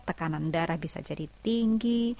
tekanan darah bisa jadi tinggi